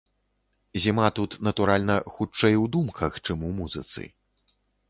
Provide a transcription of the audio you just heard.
Зіма тут, натуральна, хутчэй, у думках, чым у музыцы.